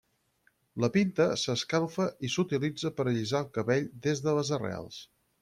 La pinta s'escalfa i s'utilitza per allisar el cabell des de les arrels.